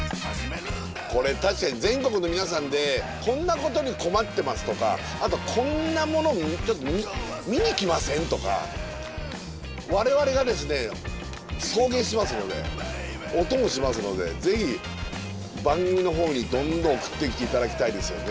これ確かに全国の皆さんでこんなことに困ってますとかあとこんなもの見に来ません？とか我々がですね送迎しますのでお供しますのでぜひ番組の方にどんどん送ってきて頂きたいですよね。